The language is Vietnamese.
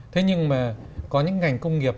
thế nhưng mà có những ngành công nghiệp